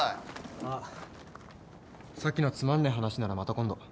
あっさっきのつまんねえ話ならまた今度。